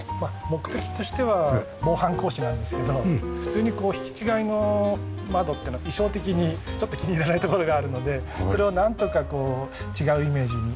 目的としては防犯格子なんですけど普通にこう引き違いの窓っていうのは意匠的にちょっと気に入らないところがあるのでそれをなんとかこう違うイメージに。